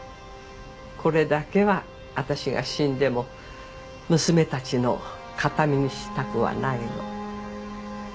これだけは私が死んでも娘たちの形見にしたくはないの。